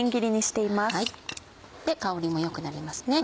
香りも良くなります。